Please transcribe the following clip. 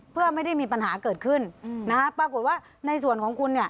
เพื่อไม่ได้มีปัญหาเกิดขึ้นปรากฏว่าในส่วนของคุณเนี่ย